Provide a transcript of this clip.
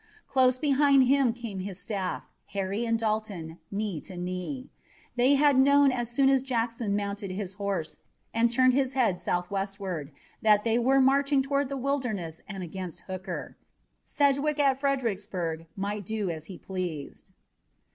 Close behind him came his staff, Harry and Dalton knee to knee. They had known as soon as Jackson mounted his horse and turned his head southwestward that they were marching toward the Wilderness and against Hooker. Sedgwick at Fredericksburg might do as he pleased.